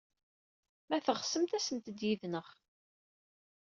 Ma teɣsemt, asemt-d yid-neɣ.